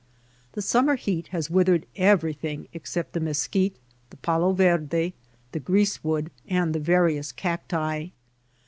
The summer heat has withered everything except the mesquite, the palo verde,* the grease wood, and the various cacti.